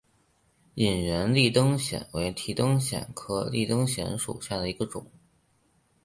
隐缘立灯藓为提灯藓科立灯藓属下的一个种。